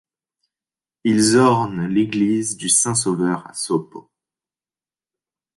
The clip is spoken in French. Ils ornent l'église du Saint Sauveur à Sopó.